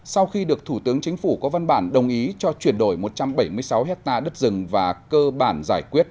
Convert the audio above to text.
sau khi được thủ tướng chính phủ có văn bản đồng ý cho chuyển đổi một trăm bảy mươi sáu hectare đất rừng và cơ bản giải quyết